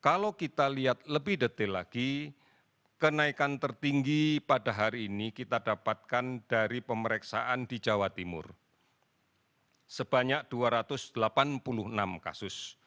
kalau kita lihat lebih detail lagi kenaikan tertinggi pada hari ini kita dapatkan dari pemeriksaan di jawa timur sebanyak dua ratus delapan puluh enam kasus